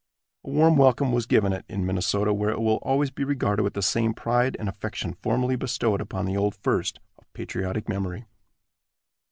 A warm welcome was given it in Minnesota, where it will always be regarded with the same pride and affection formerly bestowed upon the old First, of patriotic memory.